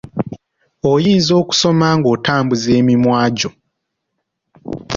Oyinza okusoma ng'otambuza emimwa gyo.